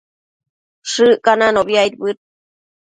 Shëccananobi aidbëd